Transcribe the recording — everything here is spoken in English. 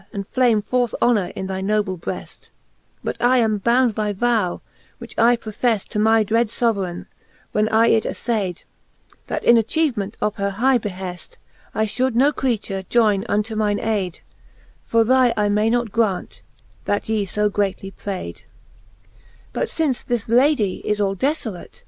And flame forth honour in thy noble breft: But I am bound by vow, which I profeft To my dread Soveraine, when I it aflayd, That in atchieuement of her high beheft, I fhould no creature joyne unto mine ayde, For thy I may not graunt that ye fo greatly prayde# XXXVIII Butfince this Ladie is all defolate.